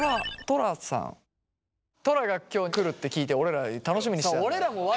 トラが今日来るって聞いて俺ら楽しみにしてたんだよ。